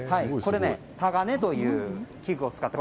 タガネという器具を使って。